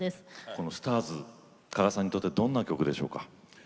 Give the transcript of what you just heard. この「ＳＴＡＲＳ」鹿賀さんにとってどんな曲でしょうか？